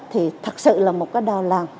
thì thật sự là một cái đào làng